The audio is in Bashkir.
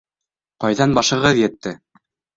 Ҡайҙан башығыҙ етте?